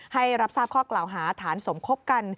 ให้รับทราบข้อกล่าวหาฐานสมคบกัน